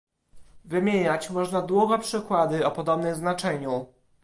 Wymieniać można długo przykłady o podobnym znaczeniu